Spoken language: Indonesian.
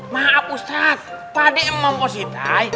maaf ustaz pak d memang pak siti